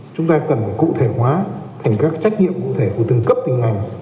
chúng ta cần cụ thể hóa thành các trách nhiệm cụ thể của từng cấp tình ngành